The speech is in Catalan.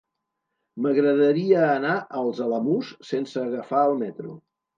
M'agradaria anar als Alamús sense agafar el metro.